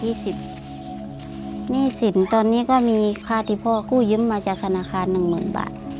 หนี้สินตอนนี้ก็มีค่าที่พ่อคู่ยุ่มมาจากธนาคาร๑๐๐๐๐บาท